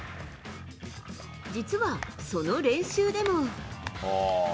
実はその練習でも。